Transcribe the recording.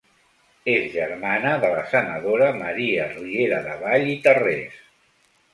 És germana de la senadora Maria Rieradevall i Tarrés.